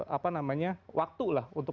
apa namanya waktulah untuk